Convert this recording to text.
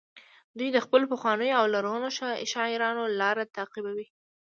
دوی د خپلو پخوانیو او لرغونو شاعرانو لاره تعقیبوي